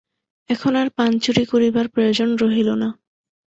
এখন আর পান চুরি করিবার প্রয়োজন রহিল না।